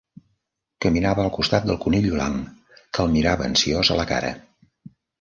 Caminava al costat del Conill Blanc, que la mirava ansiós a la cara.